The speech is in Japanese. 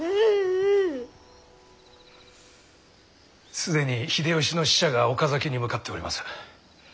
既に秀吉の使者が岡崎に向かっております。